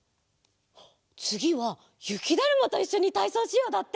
「つぎはゆきだるまといっしょにたいそうしよう！」だって。